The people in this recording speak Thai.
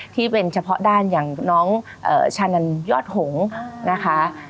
ที่เป็นเฉพาะด้านอย่างน้องชานันยอดหงษ์นะคะ